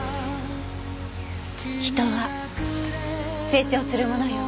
人は成長するものよ。